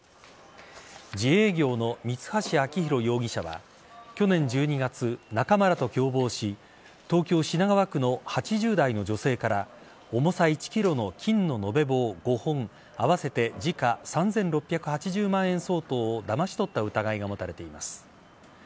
自営業の三橋章弘容疑者は去年１２月、仲間らと共謀し東京・品川区の８０代の女性から重さ１ｋｇの金の延べ棒５本合わせて時価３６８０万円相当をだまし取った疑いが持たれています。